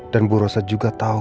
dan bu rosa juga tahu